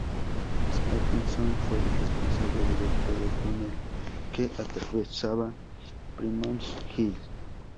Stephenson fue el responsable directo del túnel que atravesaba Primrose Hill.